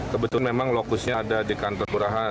yang belum bisa mengontak bisa kontak